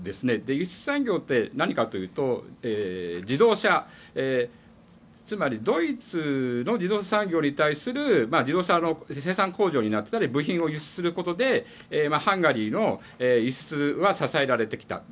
輸出産業は何かというと自動車、つまりドイツの自動車産業に対する自動車の生産工場になっていたり部品を輸出することでハンガリーの輸出は支えられてきた。